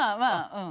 うん。